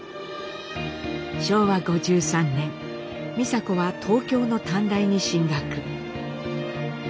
昭和５３年美佐子は東京の短大に進学。